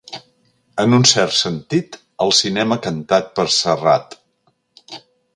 En un cert sentit, el cinema cantat per Serrat.